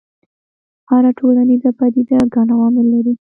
هره ټولنیزه پدیده ګڼ عوامل لري.